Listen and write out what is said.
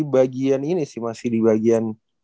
bagian ini sih masih di bagian